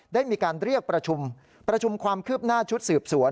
ได้มีการเรียกประชุมประชุมความคืบหน้าชุดสืบสวน